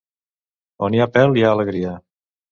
On hi ha pèl, hi ha alegria.